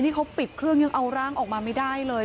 นี่เขาปิดเครื่องยังเอาร่างออกมาไม่ได้เลย